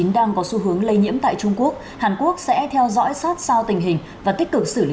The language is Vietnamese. đang có xu hướng lây nhiễm tại trung quốc hàn quốc sẽ theo dõi sát sao tình hình và tích cực xử lý